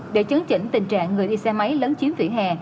để chứng chỉnh tình trạng người đi xe máy lớn chiếm vỉa hè